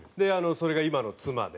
それが今の妻で。